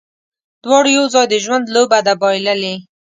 دواړو یو ځای، د ژوند لوبه ده بایللې